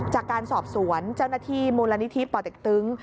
จากการสอบสวนเจ้าหน้าที่มูลนิธิป่อเต็กตึง